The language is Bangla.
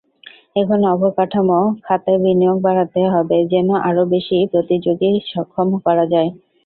এখন অবকাঠামো খাতে বিনিয়োগ বাড়াতে হবে, যেন আরও বেশি প্রতিযোগীসক্ষম করা যায়।